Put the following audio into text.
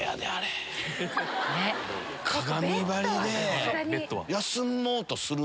鏡張りで。